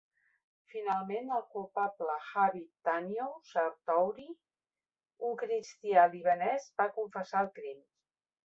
Finalment, el culpable, Habib Tanious Shartouni, un cristià libanès, va confessar el crim.